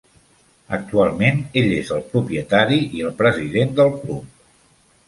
Actualment ell és el propietari i el president del club.